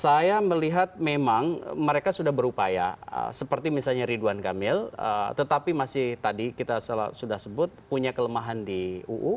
saya melihat memang mereka sudah berupaya seperti misalnya ridwan kamil tetapi masih tadi kita sudah sebut punya kelemahan di uu